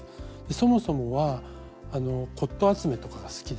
そもそもは骨とう集めとかが好きで。